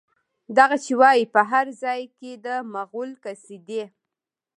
دغه چې وايي، په هر ځای کې د مغول قصيدې